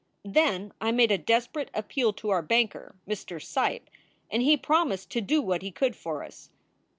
Then I made a desperate appeal to our banker, Mr. Seipp, and he promised to do what he could for us.